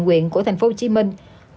huyện quốc gia tỉnh quốc gia